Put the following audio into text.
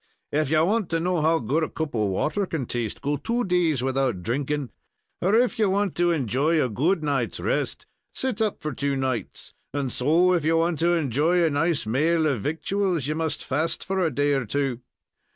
If ye want to know how good a cup of water can taste, go two days without drinking; or if ye want to enjoy a good night's rest, sit up for two nights, and so, if ye want to enjoy a nice maal of victuals, ye must fast for a day or two.